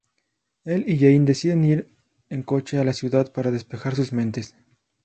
Él y Jane deciden ir en coche a la ciudad para despejar sus mentes.